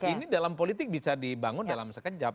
ini dalam politik bisa dibangun dalam sekejap